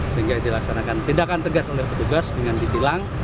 sehingga dilaksanakan tindakan tegas oleh petugas dengan ditilang